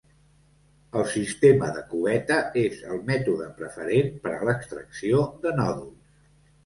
El sistema de cubeta és el mètode preferent per a l'extracció de nòduls.